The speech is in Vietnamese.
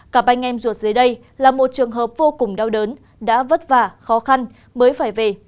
cả ba anh em ruột dưới đây là một trường hợp vô cùng đau đớn đã vất vả khó khăn mới phải về